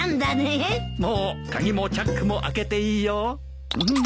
もう鍵もチャックも開けていいよ。